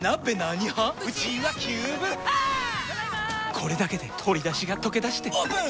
これだけで鶏だしがとけだしてオープン！